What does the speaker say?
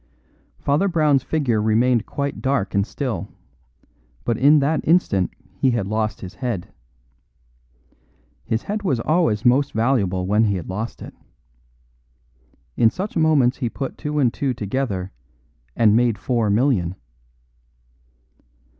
Father Brown's figure remained quite dark and still; but in that instant he had lost his head. His head was always most valuable when he had lost it. In such moments he put two and two together and made four million.